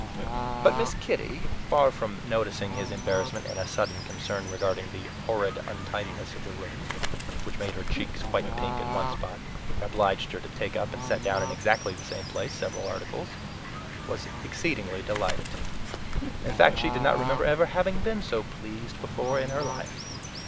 But Miss Kitty, far from noticing his embarrassment in a sudden concern regarding the "horrid" untidiness of the room, which made her cheeks quite pink in one spot and obliged her to take up and set down in exactly the same place several articles, was exceedingly delighted. In fact, she did not remember ever having been so pleased before in her life!